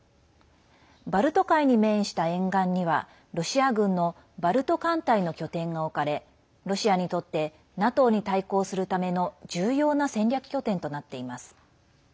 バルト海に面した沿岸にはロシア軍のバルト艦隊の拠点が置かれロシアにとってＮＡＴＯに対抗するための重要な戦略拠点となっています。